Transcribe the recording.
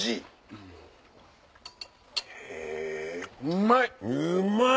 うまい！